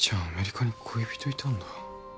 アメリカに恋人いたんだ。